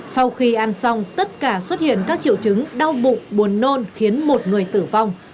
sau khi ăn xong tất cả xuất hiện các triệu chứng đau bụng buồn nôn khiến một người tử vong